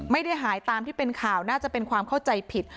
ไม่ได้หายตามที่เป็นข่าวน่าจะเป็นความเข้าใจผิด